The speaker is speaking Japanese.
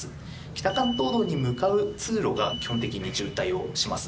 北関東道に向かう通路が基本的に渋滞をします。